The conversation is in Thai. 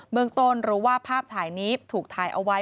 เมืองต้นรู้ว่าภาพถ่ายนี้ถูกถ่ายเอาไว้